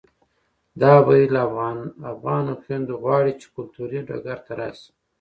دا بهیر له افغانو خویندو غواړي چې کلتوري ډګر ته راشي